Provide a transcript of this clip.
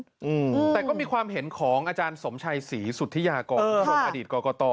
อืมแต่ก็มีความเห็นของอาจารย์สมชัยศรีสุธิยากรคุณผู้ชมอดีตกรกต